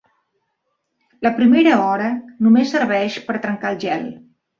La primera hora només serveix per trencar el gel.